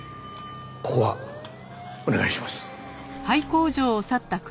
ここはお願いします。